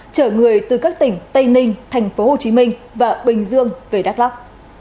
chở người từ các tỉnh tây ninh tp hcm và bình dương về đắk lắc